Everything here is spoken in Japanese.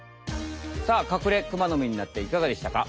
さあカクレクマノミになっていかがでしたか？